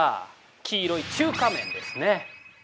黄色い中華麺ですね。